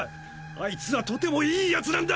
あいつはとても良い奴なんだ！